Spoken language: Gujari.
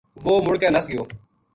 وہ مُڑ کے نَس گیو